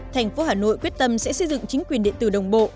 tp hà nội quyết tâm sẽ xây dựng chính quyền điện tử đồng bộ